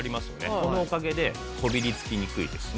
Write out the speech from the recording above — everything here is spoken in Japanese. このおかげでこびりつきにくいですね。